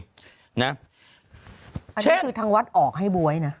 อันนี้คือทางวัดออกให้บ๊วยนะ